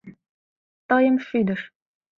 Тыйым шӱдыш.